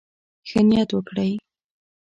ښه نيت وکړئ.